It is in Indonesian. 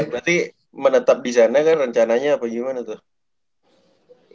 berarti menetap di sana kan rencananya apa gimana tuh